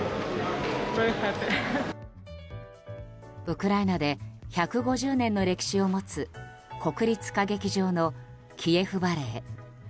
ウクライナで１５０年の歴史を持つ国立歌劇場のキエフ・バレエ。